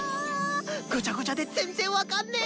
ごちゃごちゃで全然分かんね。